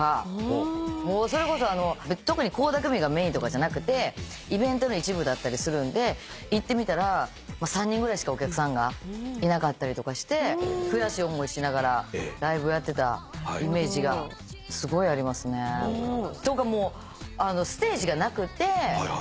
それこそ特に倖田來未がメインとかじゃなくてイベントの一部だったりするんで行ってみたら３人ぐらいしかお客さんがいなかったりとかして悔しい思いしながらライブやってたイメージがすごいありますね。とかもうステージがなくてビール瓶の箱あるじゃないですか。